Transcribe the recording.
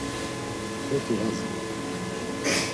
Soti va zirey.